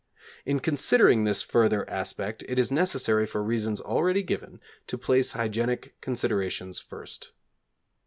In considering this further aspect it is necessary for reasons already given, to place hygienic considerations first.